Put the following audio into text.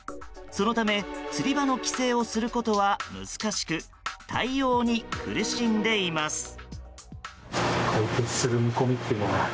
そのため釣り場の規制をすることは難しく対応に苦しんでいます。